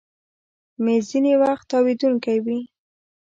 مېز ځینې وخت تاوېدونکی وي.